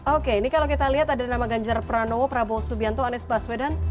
oke ini kalau kita lihat ada nama ganjar pranowo prabowo subianto anies baswedan